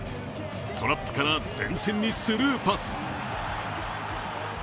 トラップから前線にスルーパス。